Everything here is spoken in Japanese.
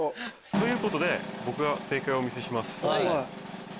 ということで僕が正解をお見せします。